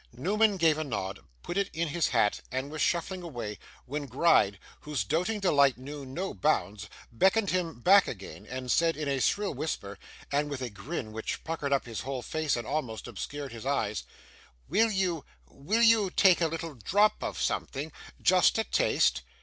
Newman gave a nod, put it in his hat, and was shuffling away, when Gride, whose doting delight knew no bounds, beckoned him back again, and said, in a shrill whisper, and with a grin which puckered up his whole face, and almost obscured his eyes: 'Will you will you take a little drop of something just a taste?